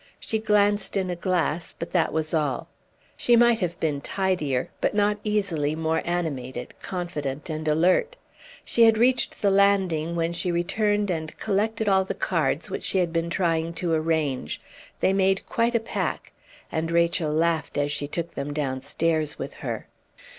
She glanced in a glass, but that was all; she might have been tidier, but not easily more animated, confident, and alert. She had reached the landing when she returned and collected all the cards which she had been trying to arrange; they made quite a pack; and Rachel laughed as she took them downstairs with her.